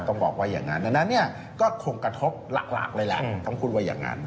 ต้องบอกว่าอย่างนั้นดังนั้นเนี่ยก็คงกระทบหลักเลยแหละต้องพูดว่าอย่างนั้น